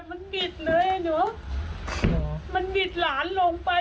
ว่าจราเข้มันบิดหนูลงไป